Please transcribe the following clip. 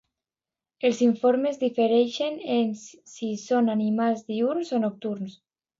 Els informes difereixen en si són animals diürns o nocturns.